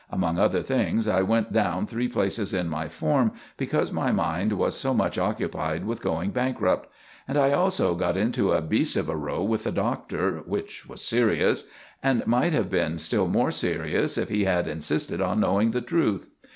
Among other things I went down three places in my form, because my mind was so much occupied with going bankrupt; and I also got into a beast of a row with the Doctor, which was serious, and might have been still more serious if he had insisted on knowing the truth.